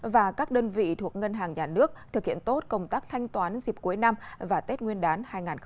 và các đơn vị thuộc ngân hàng nhà nước thực hiện tốt công tác thanh toán dịp cuối năm và tết nguyên đán hai nghìn hai mươi